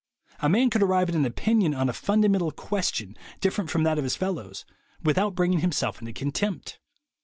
A man could arrive at an opinion on a fun damental question different from that of his fel lows without bringing himself into contempt.